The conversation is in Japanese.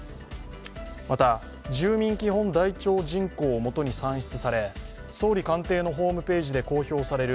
また、住民基本台帳人口をもとに算出され総理官邸のホームページで公表される